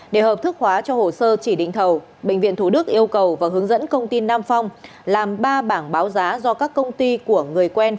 để hợp thức hóa cho hồ sơ chỉ định thầu bệnh viện thủ đức yêu cầu và hướng dẫn công ty nam phong làm ba bảng báo giá do các công ty của người quen